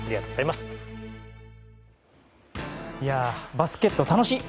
バスケット楽しい！